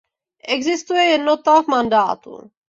Existuje jednota v mandátu.